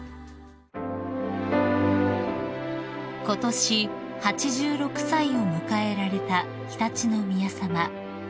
［ことし８６歳を迎えられた常陸宮さま］